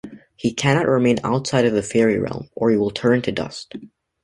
He cannot remain outside of the fairie realm, or he will turn to dust.